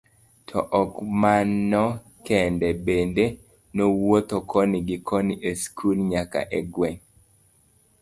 To ok mano kende, bende nowuotho koni gi koni e skul nyaka e gweng'.